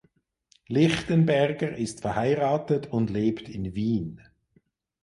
Lichtenberger ist verheiratet und lebt in Wien.